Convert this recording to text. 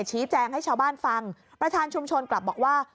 ชี้แจงให้ชาวบ้านฟังประธานชุมชนกลับบอกว่า